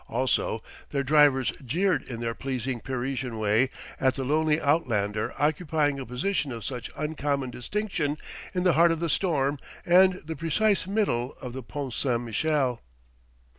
Also, their drivers jeered in their pleasing Parisian way at the lonely outlander occupying a position of such uncommon distinction in the heart of the storm and the precise middle of the Pont St. Michel.